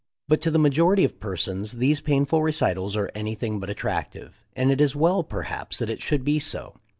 But to the majority of persons these painful recitals are anything but attractive, and it is well perhaps that it should be so.